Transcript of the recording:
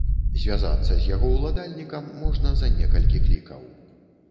Звязацца з яго ўладальнікам можна за некалькі клікаў.